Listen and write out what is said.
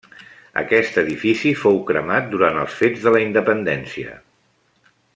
Aquest edifici fou cremat durant els fets de la Independència.